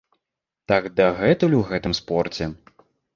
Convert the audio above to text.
Так дагэтуль у гэтым спорце.